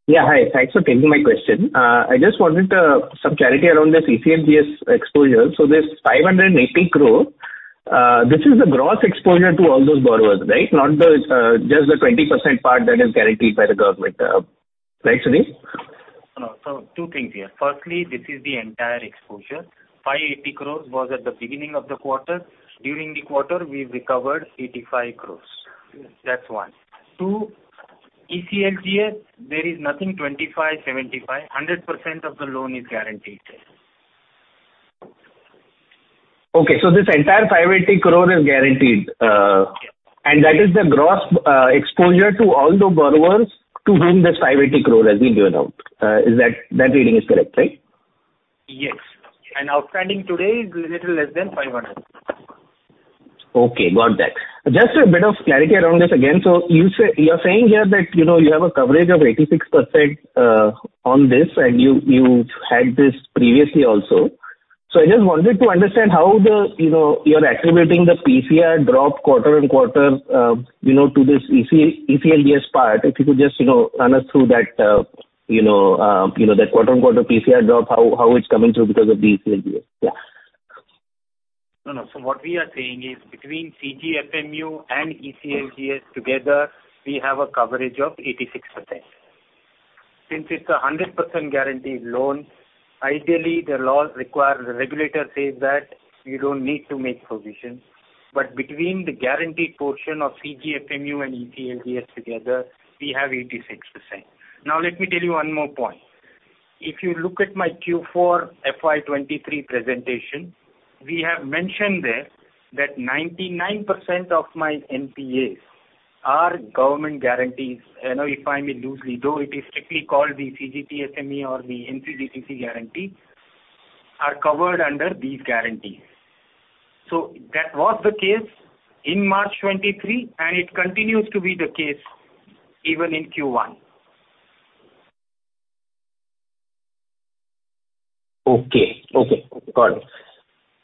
Yeah. Hi, thanks for taking my question. I just wanted some clarity around this ECLGS exposure. This 580 crore, this is the gross exposure to all those borrowers, right? Not the just the 20% part that is guaranteed by the government, right, Sunil? No, no. Two things here. Firstly, this is the entire exposure. 580 crore was at the beginning of the quarter. During the quarter, we've recovered 85 crore. That's one. Two, ECLGS, there is nothing 25, 75. 100% of the loan is guaranteed. Okay, this entire 580 crore is guaranteed. Yes. That is the gross exposure to all the borrowers to whom this 580 crore has been given out. Is that reading is correct, right? Yes. Outstanding today is little less than 500. Got that. Just a bit of clarity around this again. You are saying here that, you know, you have a coverage of 86% on this, and you had this previously also. I just wanted to understand how you are activating the PCR drop quarter-on-quarter, you know, to this ECLGS part. If you could just, you know, run us through that, you know, that quarter-on-quarter PCR drop, how it's coming through because of the ECLGS? No, no. What we are saying is between CGFMU and ECLGS together, we have a coverage of 86%. Since it's a 100% guaranteed loan, ideally, the regulator says that you don't need to make provision, but between the guaranteed portion of CGFMU and ECLGS together, we have 86%. Let me tell you one more point. If you look at my Q4 FY23 presentation, we have mentioned there that 99% of my NPAs are government guarantees. You know, if I may loosely, though it is strictly called the CGTMSE or the NCGTC guarantee, are covered under these guarantees. That was the case in March 2023, and it continues to be the case even in Q1. Okay. Okay, got it.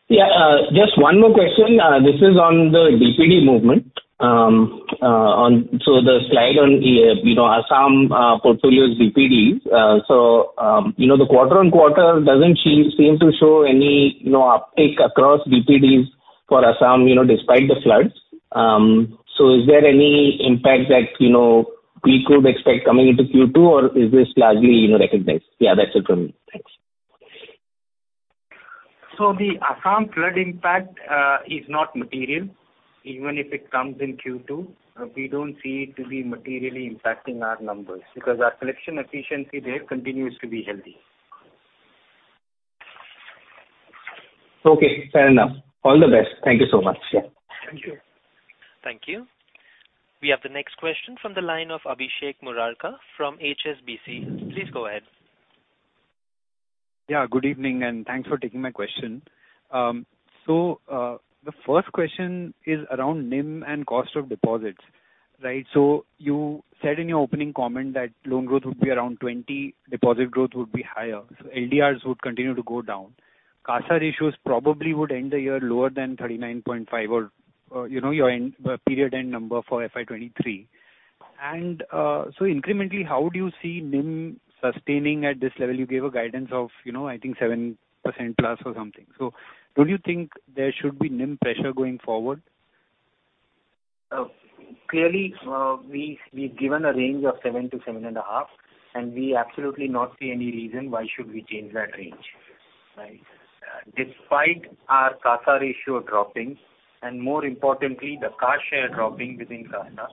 Yeah, just one more question. This is on the DPD movement. The slide on, you know, Assam, portfolio DPDs. You know, the quarter on quarter doesn't seem to show any, you know, uptick across DPDs for Assam, you know, despite the floods. Is there any impact that, you know, we could expect coming into Q2, or is this largely, you know, recognized? Yeah, that's it from me. Thanks. The Assam flood impact is not material, even if it comes in Q2. We don't see it to be materially impacting our numbers, because our collection efficiency there continues to be healthy. Okay, fair enough. All the best. Thank you so much. Yeah. Thank you. Thank you. We have the next question from the line of Abhishek Murarka from HSBC. Please go ahead. Good evening, and thanks for taking my question. The first question is around NIM and cost of deposits, right? You said in your opening comment that loan growth would be around 20, deposit growth would be higher, so LDRs would continue to go down. CASA ratios probably would end the year lower than 39.5 or, you know, your end period end number for FY23. Incrementally, how do you see NIM sustaining at this level? You gave a guidance of, you know, I think 7%+ or something. Do you think there should be NIM pressure going forward? Clearly, we've given a range of 7%-7.5%, and we absolutely not see any reason why should we change that range, right? Despite our CASA ratio dropping, and more importantly, the CASA share dropping within CASA,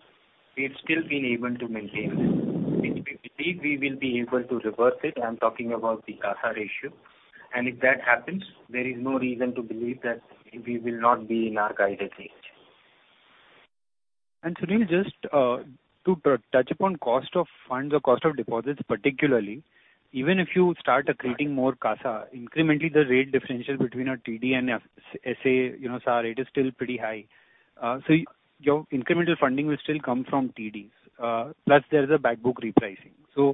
we've still been able to maintain this, which we believe we will be able to reverse it, I'm talking about the CASA ratio, and if that happens, there is no reason to believe that we will not be in our guided range. Sunil, just to touch upon cost of funds or cost of deposits, particularly, even if you start accreting more CASA, incrementally, the rate differential between a TD and SA, you know, SA rate is still pretty high. Your incremental funding will still come from TDs, plus there is a back book repricing.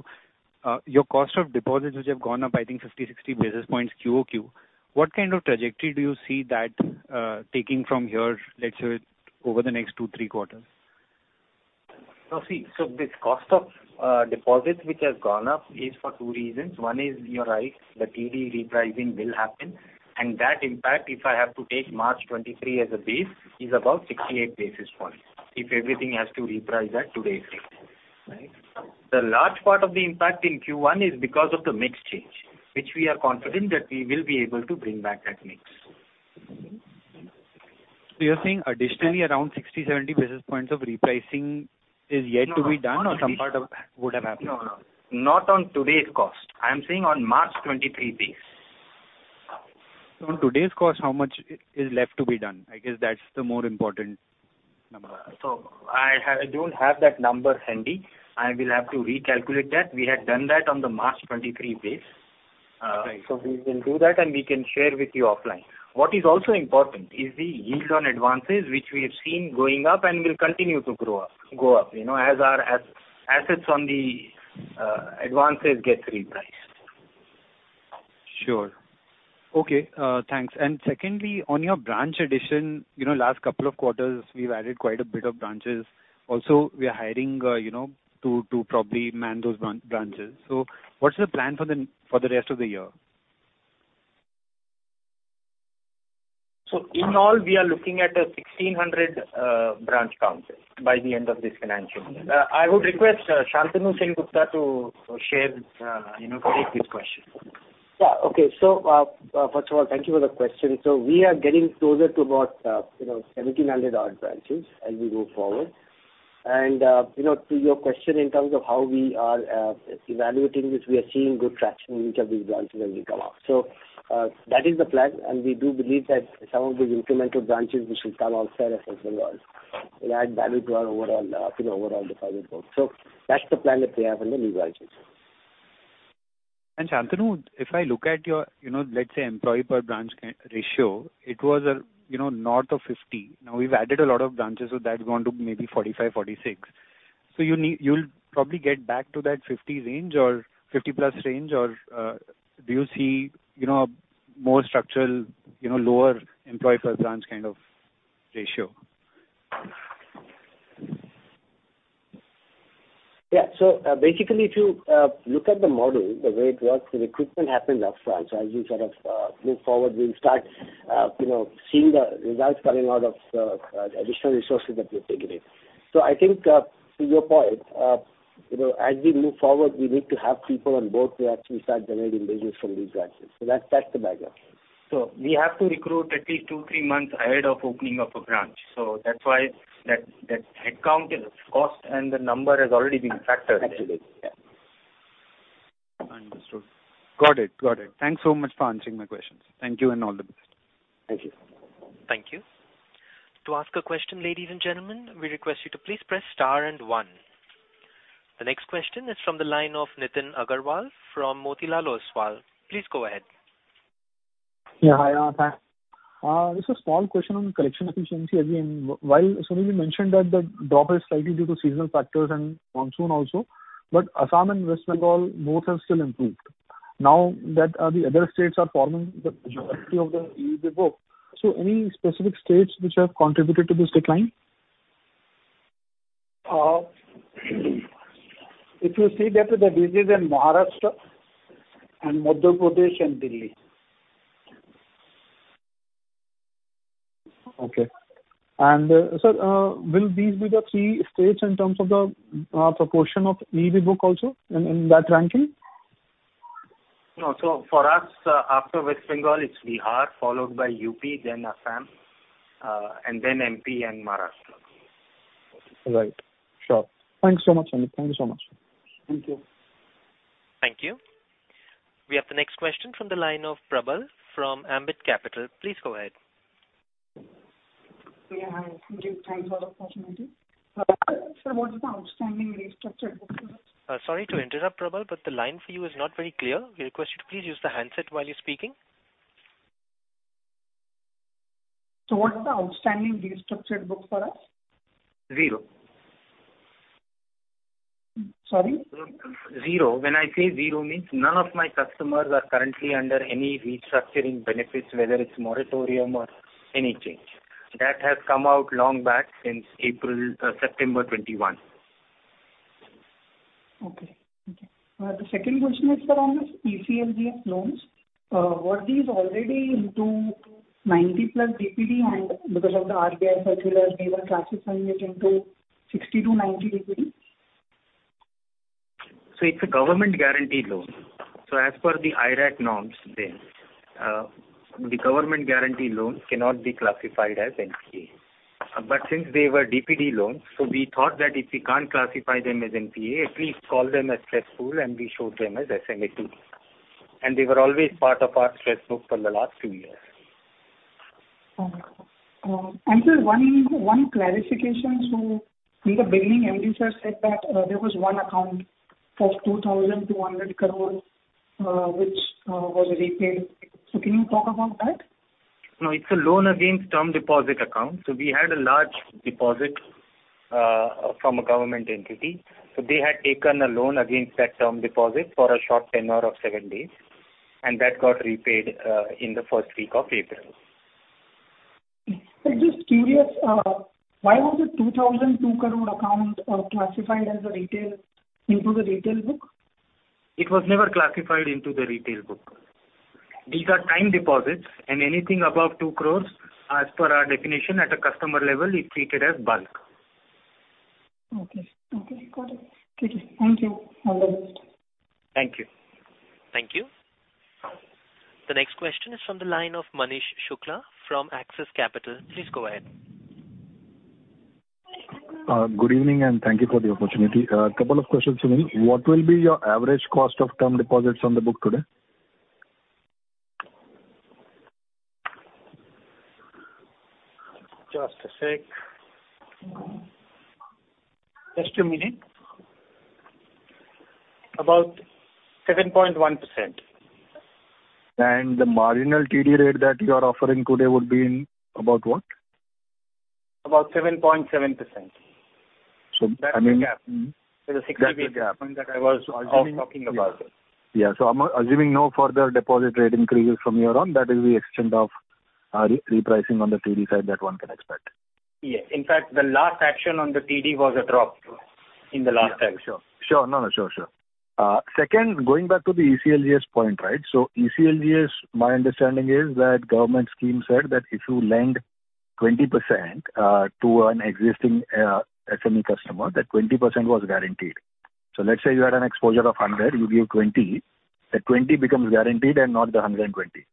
Your cost of deposits, which have gone up, I think 50, 60 basis points QOQ, what kind of trajectory do you see that taking from here, let's say, over the next 2, 3 quarters? This cost of deposits which has gone up is for two reasons. One is, you're right, the TD repricing will happen, and that impact, if I have to take March 2023 as a base, is about 68 basis points. If everything has to reprice at today's date. The large part of the impact in Q1 is because of the mix change, which we are confident that we will be able to bring back that mix. You're saying additionally, around 60, 70 basis points of repricing is yet to be done. No, no. or some part of that would have happened? No, no. Not on today's cost. I am saying on March 2023 base. On today's call, how much is left to be done? I guess that's the more important number. I don't have that number handy. I will have to recalculate that. We had done that on the March 23 base. Right. We will do that, and we can share with you offline. What is also important is the yield on advances, which we have seen going up and will continue to go up, you know, as our assets on the advances get repriced. Sure. Okay, thanks. Secondly, on your branch addition, you know, last couple of quarters, we've added quite a bit of branches. Also, we are hiring, you know, to probably man those branches. What's the plan for the rest of the year? In all, we are looking at a 1,600 branch count by the end of this financial year. I would request Shantanu Sengupta to share, you know, to take this question. Yeah. Okay. First of all, thank you for the question. We are getting closer to about, you know, 1,700 odd branches as we move forward. To your question in terms of how we are evaluating this, we are seeing good traction in each of these branches as we come up. That is the plan, and we do believe that some of these incremental branches which will come outside as well as add value to our overall, you know, overall deposit book. That's the plan that we have in the new branches. Shantanu, if I look at your, you know, let's say, employee per branch ratio, it was a, you know, north of 50. We've added a lot of branches, so that's gone to maybe 45, 46. You need. You'll probably get back to that 50 range or 50-plus range, or do you see, you know, more structural, you know, lower employee per branch kind of ratio? Yeah. Basically, if you look at the model, the way it works, the recruitment happens upfront. As we sort of move forward, we'll start, you know, seeing the results coming out of the additional resources that we're taking in. I think, to your point, you know, as we move forward, we need to have people on board to actually start generating business from these branches. That's, that's the background. We have to recruit at least two, three months ahead of opening up a branch. That's why that headcount and the cost and the number has already been factored in. Absolutely. Yeah. Understood. Got it. Got it. Thanks so much for answering my questions. Thank you and all the best. Thank you. Thank you. To ask a question, ladies and gentlemen, we request you to please press star and one. The next question is from the line of Nitin Aggarwal from Motilal Oswal. Please go ahead. Yeah, hi, thanks. Just a small question on collection efficiency. Again, while Sunil you mentioned that the drop is slightly due to seasonal factors and monsoon also, but Assam and West Bengal, both have still improved. Now that, the other states are forming the majority of the EEB book, so any specific states which have contributed to this decline? If you see that the decrease in Maharashtra and Madhya Pradesh and Delhi. Okay. Sir, will these be the three states in terms of the proportion of EEB book also in that ranking? No. For us, after West Bengal, it's Bihar, followed by UP, then Assam, and then MP and Maharashtra. Right. Sure. Thank you so much, Sunil. Thank you so much. Thank you. Thank you. We have the next question from the line of Prabal from Ambit Capital. Please go ahead. Yeah, hi, thank you. Thanks for the opportunity. sir, what is the outstanding restructured book for us? Sorry to interrupt, Prabal, but the line for you is not very clear. We request you to please use the handset while you're speaking. What's the outstanding restructured book for us? Zero. Sorry? Zero. When I say zero, means none of my customers are currently under any restructuring benefits, whether it's moratorium or any change. That has come out long back, since April, September 2021. Okay. Okay. The second question is, sir, on this ECLGS loans, were these already into 90-plus DPD and because of the RBI circular, they were classified into 60 to 90 DPD? It's a government-guaranteed loan. As per the IRAC norms, then, the government-guaranteed loans cannot be classified as NPA. Since they were DPD loans, we thought that if we can't classify them as NPA, at least call them as stress pool, and we showed them as SMA-2. They were always part of our stress book for the last two years. Okay. Sir, one clarification. In the beginning, MD sir said that there was one account of 2,200 crore which was repaid. Can you talk about that? No, it's a loan against term deposit account. We had a large deposit from a government entity. They had taken a loan against that term deposit for a short tenure of seven days, and that got repaid in the first week of April. Sir, just curious, why was the 2,002 crore account classified as a retail into the retail book? It was never classified into the retail book. These are time deposits, and anything above 2 crore, as per our definition at a customer level, is treated as bulk. Okay. Okay, got it. Thank you. All the best. Thank you. Thank you. The next question is from the line of Manish Shukla from Axis Capital. Please go ahead. Good evening, and thank you for the opportunity. A couple of questions for me. What will be your average cost of term deposits on the book today? Just a sec. Just a minute. About 7.1%. The marginal TD rate that you are offering today would be in about what? About 7.7%. So, I mean- That's the gap. Mm-hmm. There's a 60 basis point that I was also talking about. Yeah. I'm assuming no further deposit rate increases from here on, that is the extent of repricing on the TD side that one can expect. Yeah. In fact, the last action on the TD was a drop in the last time. Sure. Sure. No, no. Sure, sure. second, going back to the ECLGS point, right? ECLGS, my understanding is that government scheme said that if you lend 20%, to an existing SME customer, that 20% was guaranteed. let's say you had an exposure of 100, you give 20, the 20 becomes guaranteed and not the 120.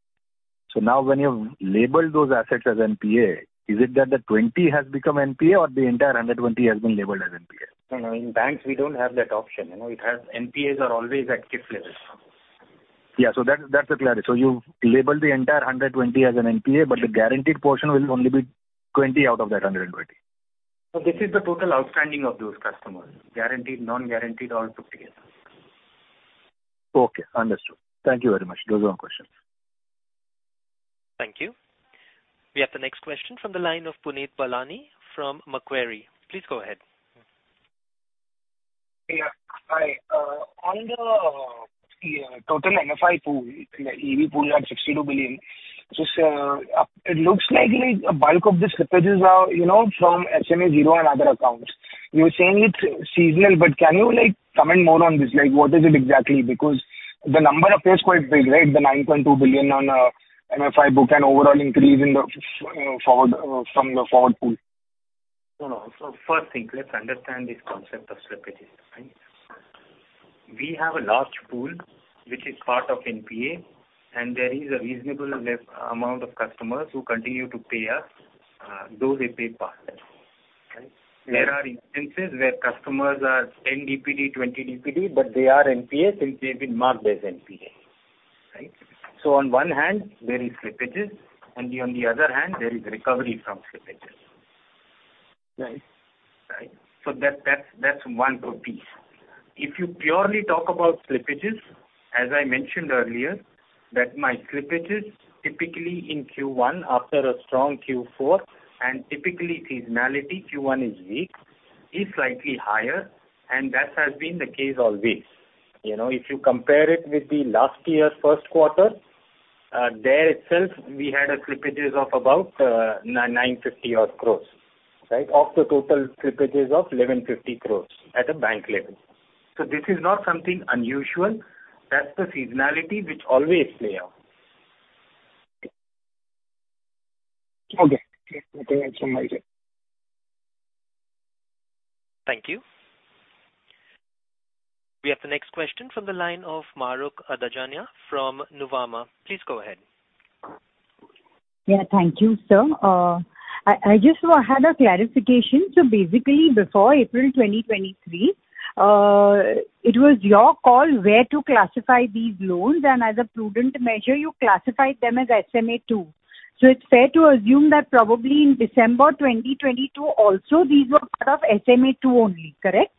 now when you've labeled those assets as NPA, is it that the 20 has become NPA or the entire 120 has been labeled as NPA? No, no, in banks, we don't have that option. You know, NPAs are always at tip level. Yeah. That's, that's a clarity. You label the entire 120 as an NPA, but the guaranteed portion will only be 20 out of that 120. This is the total outstanding of those customers, guaranteed, non-guaranteed, all put together. Okay, understood. Thank you very much. Those are my questions. Thank you. We have the next question from the line of Puneet Balani from Macquarie. Please go ahead. Hi. On the total non-EEB pool, the EEB pool at 62 billion, so it looks like a bulk of the slippages are, you know, from SMA zero and other accounts. You were saying it's seasonal, but can you, like, comment more on this? Like, what is it exactly? Because the number appears quite big, right? The 9.2 billion on non-EEB book and overall increase in the forward from the forward pool. No, no. First thing, let's understand this concept of slippages, right? We have a large pool, which is part of NPA, and there is a reasonable left amount of customers who continue to pay up, though they pay part, right? Yeah. There are instances where customers are 10 DPD, 20 DPD, but they are NPAs, and they've been marked as NPA, right? On one hand, there is slippages, and on the other hand, there is recovery from slippages. Right. Right? That's one piece. If you purely talk about slippages, as I mentioned earlier, that my slippages typically in Q1 after a strong Q4 and typically seasonality, Q1 is weak, is slightly higher, and that has been the case always. You know, if you compare it with the last year's first quarter, there itself, we had a slippages of about 950 odd crore, right? Of the total slippages of 1,150 crore at a bank level. This is not something unusual. That's the seasonality which always play out. Okay. Okay, that's amazing. Thank you. We have the next question from the line of Mahrukh Adajania from Nuvama. Please go ahead. Yeah, thank you, sir. I just had a clarification. Basically, before April 2023, it was your call where to classify these loans, and as a prudent measure, you classified them as SMA 2. It's fair to assume that probably in December 2022 also, these were part of SMA 2 only, correct?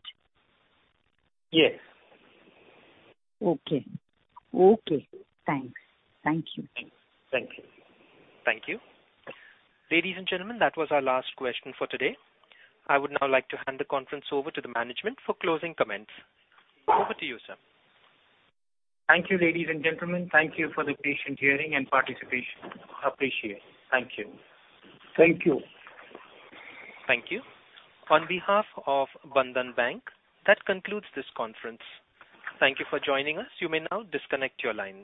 Yes. Okay. Okay, thanks. Thank you. Thank you. Thank you. Ladies and gentlemen, that was our last question for today. I would now like to hand the conference over to the management for closing comments. Over to you, sir. Thank you, ladies and gentlemen. Thank you for the patient hearing and participation. Appreciate it. Thank you. Thank you. Thank you. On behalf of Bandhan Bank, that concludes this conference. Thank you for joining us. You may now disconnect your lines.